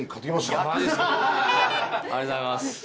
ありがとうございます。